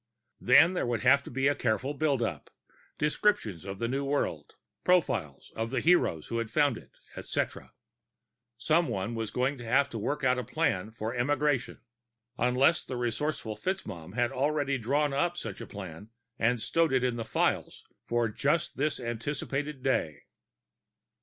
Then, there would have to be a careful build up: descriptions of the new world, profiles of the heroes who had found it, etcetera. Someone was going to have to work out a plan for emigration ... unless the resourceful FitzMaugham had already drawn up such a plan and stowed it in Files for just this anticipated day.